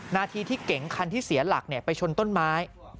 นาทีที่เก๋งคันที่เสียหลักไปชนต้นไม้